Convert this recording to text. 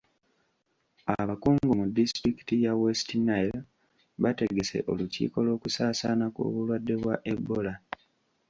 Abakungu mu disitulikiti ya West Nile bategese olukiiko lw'okusaasaana kw'obulwadde bwa Ebola.